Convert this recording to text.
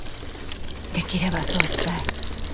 できればそうしたい。